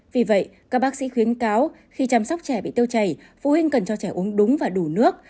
vì vậy các bác sĩ khuyến cáo khi chăm sóc trẻ bị tiêu chảy phụ huynh cần cho trẻ uống đúng và đủ nước